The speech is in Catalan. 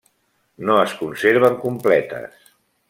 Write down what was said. No es conserven completes.